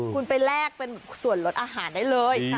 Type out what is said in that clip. คุณไปแลกเป็นส่วนลดอาหารได้เลย